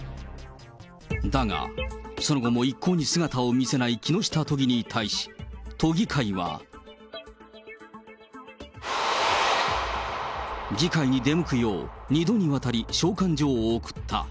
だが、その後も一向に姿を見せない木下都議に対し、都議会は。議会に出向くよう、２度にわたり召喚状を送った。